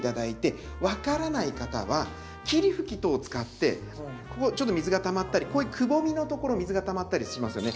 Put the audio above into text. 分からない方は霧吹き等を使ってここちょっと水がたまったりこういうくぼみのところ水がたまったりしますよね。